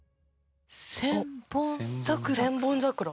『千本桜』。